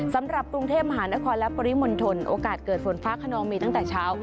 สำหรับกรุงเทพมหานครและปริมณฑลโอกาสเกิดฝนฟ้าขนองมีตั้งแต่เช้า